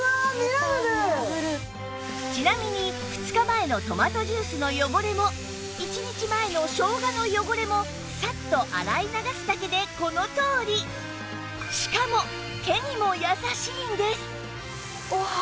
ちなみに２日前のトマトジュースの汚れも１日前のしょうがの汚れもサッと洗い流すだけでこのとおりしかもわあ